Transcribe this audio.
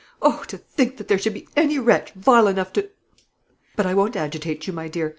Oh, to think that there should be any wretch vile enough to But I won't agitate you, my dear.